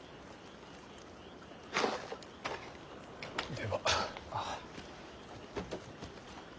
では。